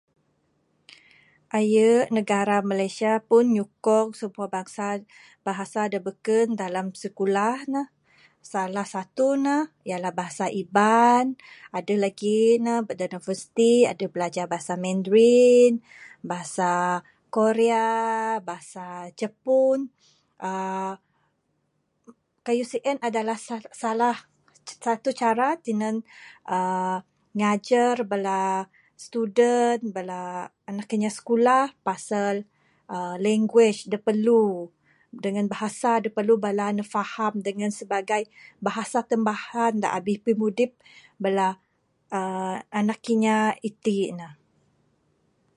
Aye, negara Malaysia pun nyukong semua bahasa, bahasa da bekeun, dalam sikulah ne. Salah satu ne, ialah bahasa Iban, aduh lagi ne da universiti ne, adup belajar bahasa Mandarin, bahasa Korea, bahasa Jepun, uhh, kayuh sien adalah salah satu cara tinan, uhh ngajar bala student, bala anak inya sikulah pasal, uhh language da perlu dengan bahasa da perlu bala ne faham dengan sebagai bahasa tambahan da abih pimudip bala, uhh anak kinya iti ne.